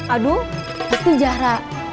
aduh pasti jarak